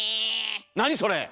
何それ！